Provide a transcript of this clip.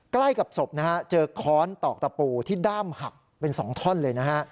ใกล้กับศพนะฮะเจอค้อนตอกตะปูที่ด้ามหักเป็น๒ท่อนเลยนะฮะ